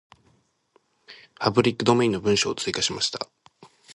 パブリックドメインの文章を追加しました。